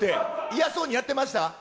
嫌そうにやってました？